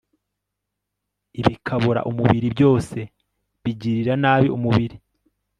Ibikabura umubiri byose bigirira nabi umubiri